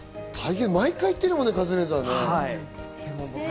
毎回行ってるもんね、カズレーザー。